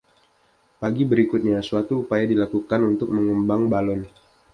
Pagi berikutnya suatu upaya dilakukan untuk mengembang balon.